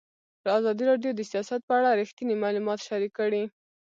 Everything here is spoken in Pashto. ازادي راډیو د سیاست په اړه رښتیني معلومات شریک کړي.